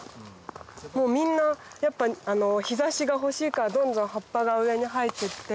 みんな日差しが欲しいからどんどん葉っぱが上に生えてって。